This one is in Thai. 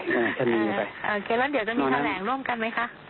งั้นเดี๋ยวจะมีแผลงร่มกันไหมคะ